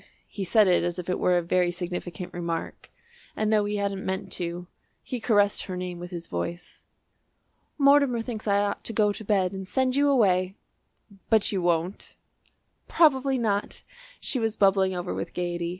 He said it as if it were a very significant remark, and, though he hadn't meant to, he caressed her name with his voice. "Mortimer thinks I ought to go to bed and send you away." "But you won't?" "Probably not." She was bubbling over with gaiety.